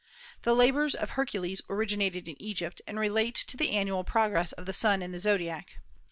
"The labors of Hercules originated in Egypt, and relate to the annual progress of the sun in the zodiac.